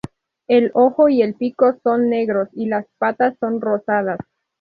El ojo y el pico son negros y las patas son rosadas.